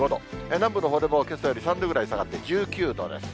南部のほうでもけさより３度ぐらい下がって１９度です。